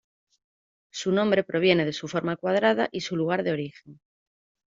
Su nombre proviene de su forma cuadrada y su lugar de origen.